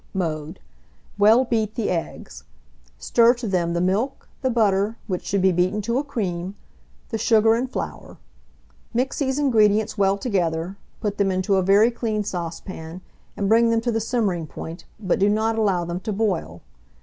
Mode. Well beat the eggs; stir to them the milk, the butter, which should be beaten to a cream, the sugar, and flour; mix these ingredients well together, put them into a very clean saucepan, and bring them to the simmering point, but do not allow them to boil.